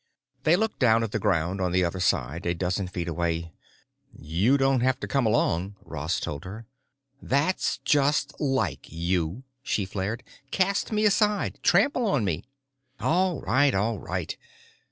They looked down at the ground on the other side, a dozen feet away. "You don't have to come along," Ross told her. "That's just like you!" she flared. "Cast me aside—trample on me!" "All right, all right."